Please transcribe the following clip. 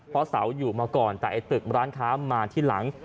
เพราะเสาอยู่มาก่อนแต่ไอ้ตึกร้านค้ามาที่หลัง